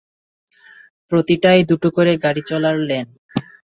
প্রতিটায় দুটো করে গাড়ি চলার লেন।